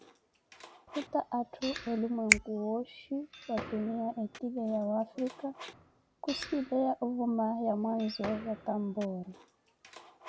Khuta atthu olumweeku wooxhi, ya tuniya etile ya wafrika, khusileya ovuma wamwaazo watamboori.